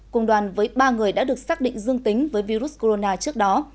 cùng đoàn với ba người đã được xác định dương tính với virus corona trước đó